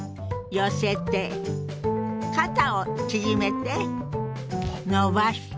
肩を縮めて伸ばして。